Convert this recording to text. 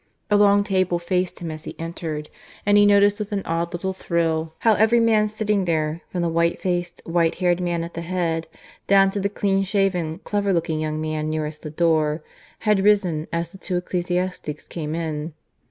A long table faced him as he entered, and he noticed with an odd little thrill how every man sitting there, from the white faced, white haired man at the head, down to the clean shaven, clever looking young man nearest the door, had risen as the two ecclesiastics came in.